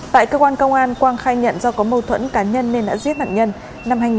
tại cơ quan công an quang khai nhận do có mâu thuẫn cá nhân nên đã giết nạn nhân